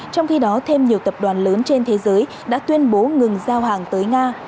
trong khi đó thêm nhiều tập đoàn lớn trên thế giới đã tuyên bố ngừng giao hàng tới nga